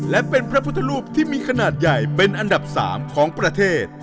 และเป็นพระพุทธรูปที่มีขนาดใหญ่เป็นอันดับ๓ของประเทศ